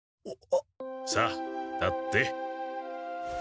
さあ立って。